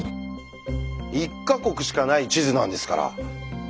１か国しかない地図なんですから。